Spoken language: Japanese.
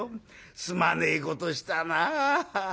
すまねえことしたな。